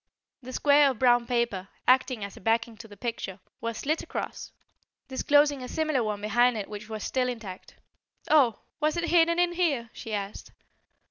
The square of brown paper, acting as a backing to the picture, was slit across, disclosing a similar one behind it which was still intact. "Oh! was it hidden in here?" she asked.